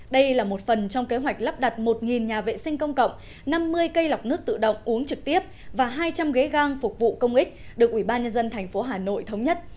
đây là một phần trong kế hoạch lắp đặt một nhà vệ sinh công cộng năm mươi cây lọc nước tự động uống trực tiếp và hai trăm linh ghế gang phục vụ công ích được ủy ban nhân dân thành phố hà nội thống nhất